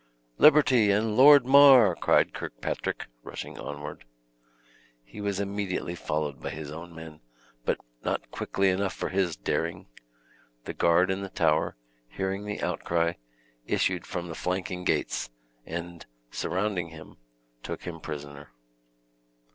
"Liberty and Lord Mar!" cried Kirkpatrick, rushing onward. He was immediately followed by his own men, but not quickly enough for his daring. The guard in the tower, hearing the outcry, issued from the flanking gates, and, surrounding him, took him prisoner.